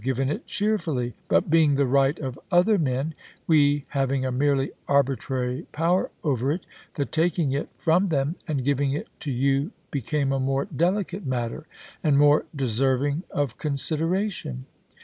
given it cheerfully ; but, being the right of other men, we having a merely arbitrary power over it, the taking it from them and giving it to you be came a more delicate matter, and more deserving of consideration.